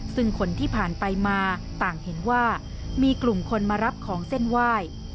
ซึ่งคนที่ผ่านไปมาต่างเห็นว่ามีกลุ่มคนมารับของเส้นไหว้